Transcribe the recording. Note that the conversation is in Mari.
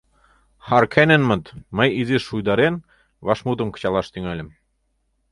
— Харкӧненмыт, — мый, изиш шуйдарен, вашмутым кычалаш тӱҥальым.